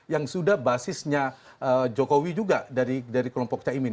yang sudah basisnya jokowi juga dari kelompok caimin